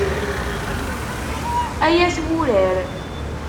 Ay at wurar.